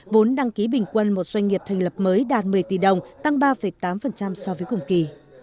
vốn đăng ký bình quân một doanh nghiệp thành lập mới đạt một mươi tỷ đồng tăng ba tám so với cùng kỳ